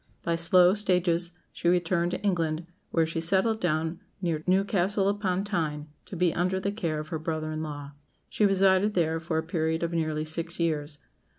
By slow stages she returned to England, where she settled down near Newcastle upon Tyne, to be under the care of her brother in law. She resided there for a period of nearly six years.